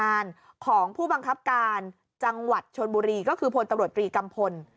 มันไปที่ห้องทำงานของผู้บังคับการจังหวัดชนบุรีก็คือโพลตรวจรีกรรมพล